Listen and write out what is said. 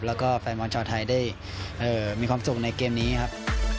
แล้วก็แฟนบอลชาวไทยได้มีความสุขในเกมนี้ครับ